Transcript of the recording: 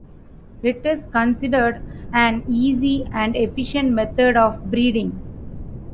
It is considered an easy and efficient method of breeding.